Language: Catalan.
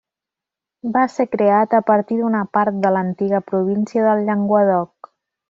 Va ser creat a partir d'una part de l'antiga província del Llenguadoc.